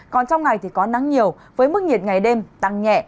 còn trong ngày thì có nắng nhiều với mức nhiệt ngày đêm tăng nhẹ